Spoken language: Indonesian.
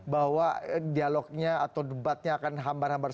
bahwa dialognya atau debatnya akan hambar hambar